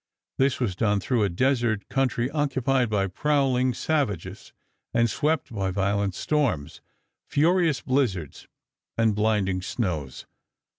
This was done through a desert country occupied by prowling savages and swept by violent storms, furious blizzards, and blinding snows.